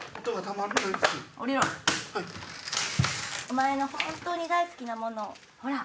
お前の本当に大好きなものほら。